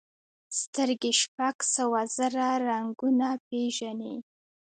سترګې شپږ سوه زره رنګونه پېژني.